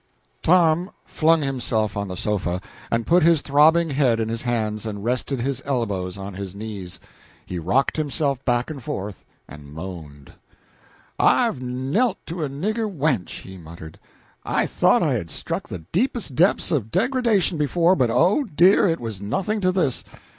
Tom flung himself on the sofa, and put his throbbing head in his hands, and rested his elbows on his knees. He rocked himself back and forth and moaned. "I've knelt to a nigger wench!" he muttered. "I thought I had struck the deepest depths of degradation before, but oh, dear, it was nothing to this....